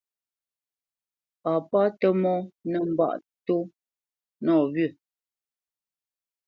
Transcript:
Papá Tə́mɔ́ nə́ mbâʼ tó nɔwyə́.